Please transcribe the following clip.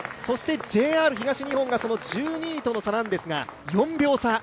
ＪＲ東日本が１２位との差ですが、４秒差。